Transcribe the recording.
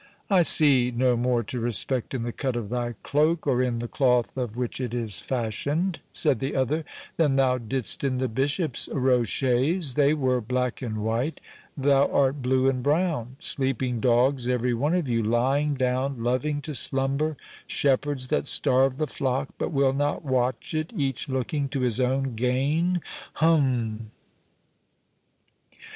"I see no more to respect in the cut of thy cloak, or in the cloth of which it is fashioned," said the other, "than thou didst in the Bishop's rochets—they were black and white, thou art blue and brown. Sleeping dogs every one of you, lying down, loving to slumber—shepherds that starve the flock but will not watch it, each looking to his own gain—hum."